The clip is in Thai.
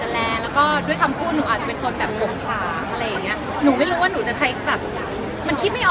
แค่นั้นเองก็จะหูตรงนี่ก็เลยดูแรงไป